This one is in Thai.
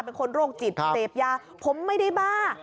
เป็นคนโรคจิตเสพยาผมไม่ได้บ้า